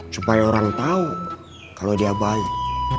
supaya orang tahu kalau dia baik